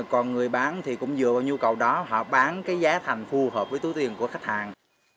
còn người bán thì cũng dựa vào nhu cầu đó họ bán cái giá thành phù hợp với túi tiền của khách hàng